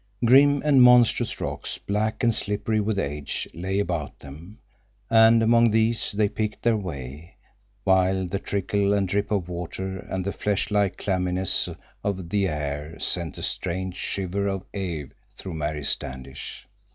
Grim and monstrous rocks, black and slippery with age, lay about them, and among these they picked their way, while the trickle and drip of water and the flesh like clamminess of the air sent a strange shiver of awe through Mary Standish.